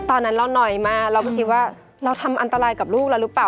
ตอนนั้นเราน้อยมากเราก็คิดว่าเราทำอันตรายกับลูกเราหรือเปล่า